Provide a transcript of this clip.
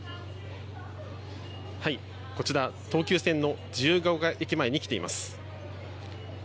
こちら東急線の自由が丘駅前に来ています。